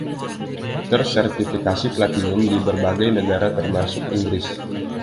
Tersertifikasi platinum di berbagai negara termasuk Inggris.